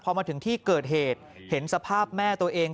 พอมาถึงที่เกิดเหตุเห็นสภาพแม่ตัวเอง